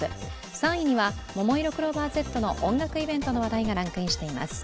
３位にはももいろクローバーＺの音楽イベントの話題がランクインしています。